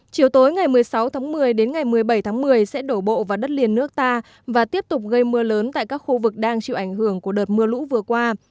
chiều tối ngày một mươi sáu tháng một mươi đến ngày một mươi bảy tháng một mươi sẽ đổ bộ vào đất liền nước ta và tiếp tục gây mưa lớn tại các khu vực đang chịu ảnh hưởng của đợt mưa lũ vừa qua